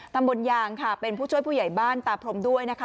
ตำบลยางค่ะเป็นผู้ช่วยผู้ใหญ่บ้านตาพรมด้วยนะคะ